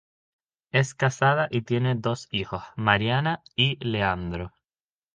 Es casada y tiene dos hijos, Mariana y Leandro.